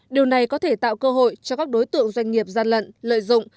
điều này có thể tạo cơ hội cho các đối tượng doanh nghiệp gian lận lợi dụng